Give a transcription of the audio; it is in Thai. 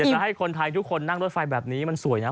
จะให้คนไทยทุกคนนั่งรถไฟแบบนี้มันสวยนะ